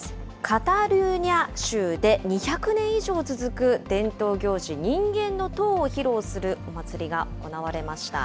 カタルーニャ州で２００年以上続く伝統行事、人間の塔を披露するお祭りが行われました。